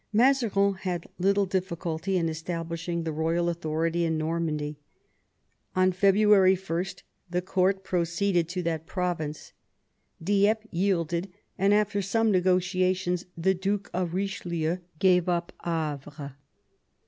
Mazarin had little diflBculty in establishing the royal authority in Normandy. On February 1 the court proceeded to that province. Dieppe yielded, and after some negotiations the Duke of Eichelieu gave up Havre.